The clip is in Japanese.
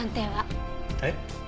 えっ？